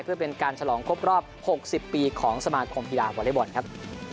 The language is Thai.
เพื่อเป็นการฉลองครบรอบ๖๐ปีของสมาคมกีฬาวอเล็กบอลครับ